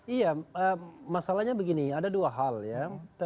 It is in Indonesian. iya masalahnya begini ada dua hal ya